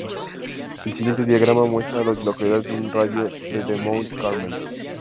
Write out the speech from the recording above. El siguiente diagrama muestra a las localidades en un radio de de Mount Carmel.